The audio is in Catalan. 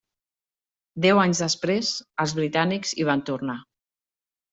Deu anys després els britànics hi van tornar.